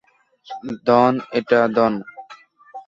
ধন এটা ধন।